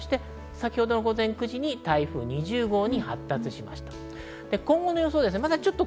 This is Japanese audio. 午前９時に台風２０号に発達しました。